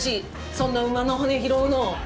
そんな馬の骨拾うの。